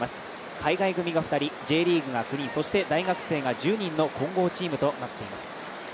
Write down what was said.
海外組が２人、Ｊリーグが９人、そして大学生が１０人の混合チームとなっています。